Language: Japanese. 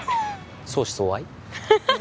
相思相愛？